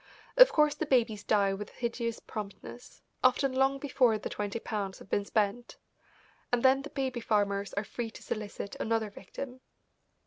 Of course the babies die with hideous promptness, often long before the twenty pounds have been spent, and then the baby farmers are free to solicit another victim.